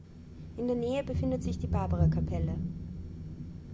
In der Nähe befindet sich die Barbarakapelle.